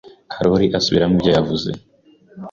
Karoli asubiramo ibyo yavuze.